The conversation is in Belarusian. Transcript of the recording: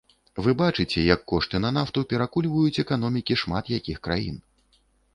Вы бачыце, як кошты на нафту перакульваюць эканомікі шмат якіх краін.